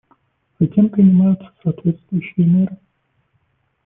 Затем принимаются соответствующие меры.